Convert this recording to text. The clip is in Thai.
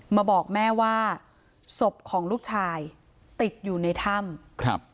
บอกแม่ว่าศพของลูกชายติดอยู่ในถ้ำครับ